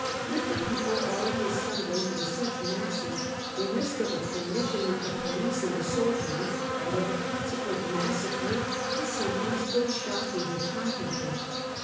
With the people already assembling in such masses, the risk of a collision with the police and the soldiery, and of a consequent massacre, is something still shocking to contemplate.